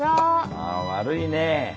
あ悪いね。